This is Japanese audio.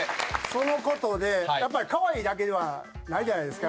そのことでやっぱりカワイイだけではないじゃないですか。